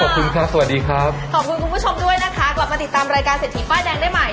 ขอบคุณครับสวัสดีครับขอบคุณคุณผู้ชมด้วยนะคะกลับมาติดตามรายการเศรษฐีป้ายแดงได้ใหม่